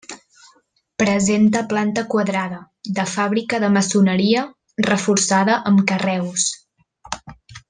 Presenta planta quadrada, de fàbrica de maçoneria, reforçada amb carreus.